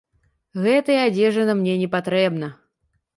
Гэтая адзежына мне не патрэбна.